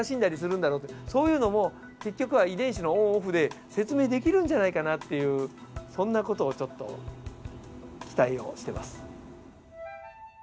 そういうのも結局は遺伝子のオンオフで説明できるんじゃないかなっていうそんな事をちょっと期待をしてます。